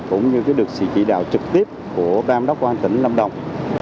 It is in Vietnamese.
cũng như được chỉ đạo trực tiếp của ban đốc quang tỉnh lâm đồng